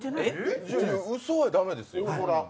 うそは駄目ですよ。